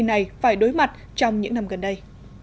này phải đối mặt trong những năm gần đây